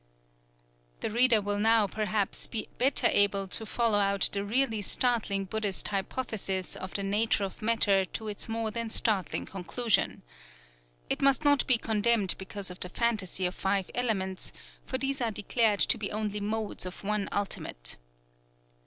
The reader will now, perhaps, be better able to follow out the really startling Buddhist hypothesis of the nature of matter to its more than startling conclusion. (It must not be contemned because of the fantasy of five elements; for these are declared to be only modes of one ultimate.)